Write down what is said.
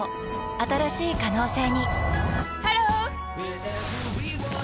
新しい可能性にハロー！